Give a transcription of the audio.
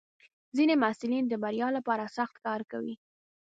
ځینې محصلین د بریا لپاره سخت کار کوي.